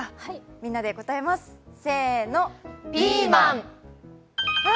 みんなで答えます、せーのピーマン。